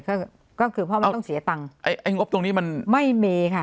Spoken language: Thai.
ก็คือเพราะมันต้องเสียตังค์ไอ้งบตรงนี้มันไม่มีค่ะ